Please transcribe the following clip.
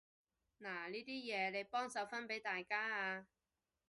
嗱呢啲嘢，你幫手分畀大家啊